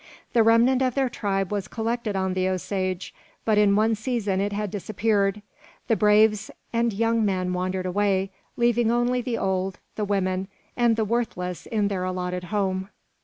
The remnant of their tribe was collected on the Osage, but in one season it had disappeared. The braves and young men wandered away, leaving only the old, the women, and the worthless in their allotted home.